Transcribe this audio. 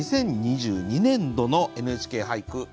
２０２２年度の「ＮＨＫ俳句」